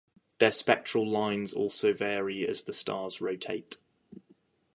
Their spectral lines also vary as the stars rotate.